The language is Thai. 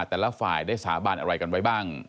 แต่ละฝ่ายได้สาบานอะไรกันไว้บ้าง